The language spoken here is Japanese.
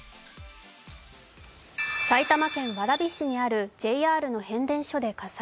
埼玉県蕨市にあるＪＲの変電所で火災。